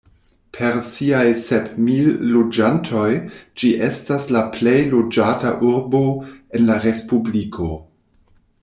Per siaj sep mil loĝantoj ĝi estas la plej loĝata urbo en la respubliko.